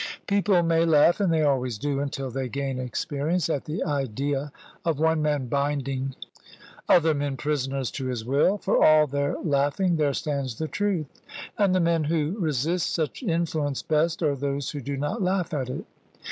People may laugh (and they always do until they gain experience) at the idea of one man binding other men prisoners to his will. For all their laughing, there stands the truth; and the men who resist such influence best are those who do not laugh at it.